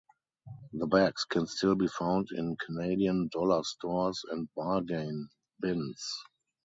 The bags can still be found in Canadian dollar stores and bargain bins.